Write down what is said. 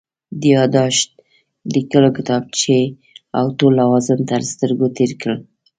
د یادښت لیکلو کتابچې او ټول لوازم تر سترګو تېر کړل.